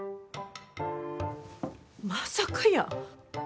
まさかやー。